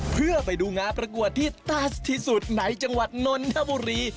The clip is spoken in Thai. เพื่อไปดูงานประกวดที่ตัสที่สุดในจังหวัดนนทบุรี